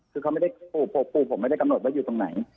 คือเขาไม่ได้ปูผมไม่ได้กำหนดว่าอยู่ตรงไหน